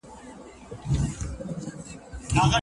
ایران له نورو هېوادونو سره د اوبو لارې لري.